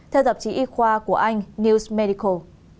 theo tạp chí y khoa của anh news medical